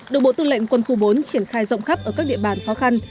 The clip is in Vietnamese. được bộ tư lệnh quân khu bốn triển khai rộng khắp ở các địa bàn khó khăn